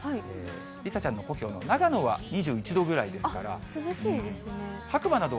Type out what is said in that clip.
梨紗ちゃんの故郷の長野は２１度ぐらいですから。